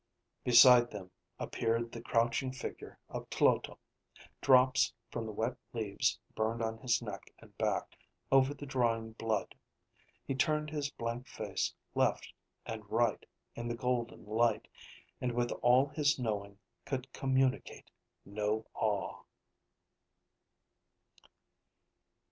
Beside them appeared the crouching figure of Tloto. Drops from the wet leaves burned on his neck and back, over the drying blood. He turned his blank face left and right in the golden light, and with all his knowing could communicate no awe.